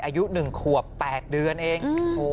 อายุ๑ขวบ๘เดือนเอง